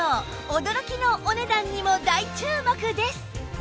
驚きのお値段にも大注目です